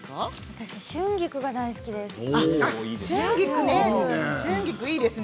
私は春菊が好きです。